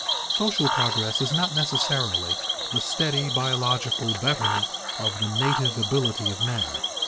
_ Social progress is not necessarily the steady biological betterment of the native ability of men.